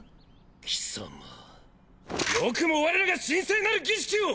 キサマよくも我らが神聖なる儀式を！